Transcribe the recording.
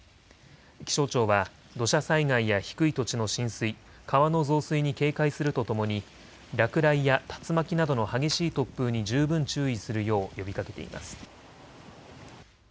気象庁は土砂災害や低い土地の浸水、川の増水に警戒するとともに落雷や竜巻などの激しい突風に十分注意するよう呼びかけています。